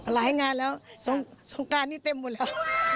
หลายงานแล้วสงการนี้เต็มหมดแล้ว